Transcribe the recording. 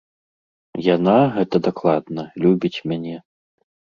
Яна, гэта дакладна, любіць мяне.